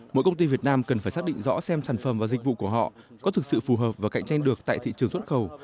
mỗi công ty việt nam cần phải xác định rõ xem sản phẩm và dịch vụ của họ có thực sự phù hợp và cạnh tranh được tại thị trường xuất khẩu